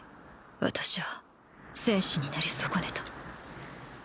私は戦士になり損ねた。